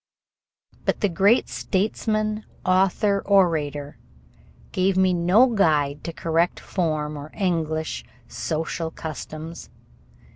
But the great statesman author orator gave me no guide to correct form or English social customs.